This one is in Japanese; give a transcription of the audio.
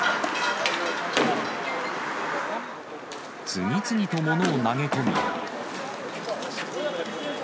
次々と物を投げ込み。